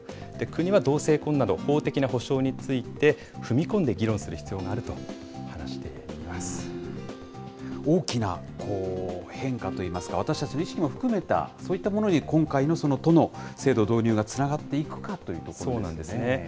国は同性婚など、法的な保障について、踏み込んで議論する必要が大きな変化といいますか、私たち自身も含めた、そういったものに今回の都の制度導入がつながっていくかというとそうなんですね。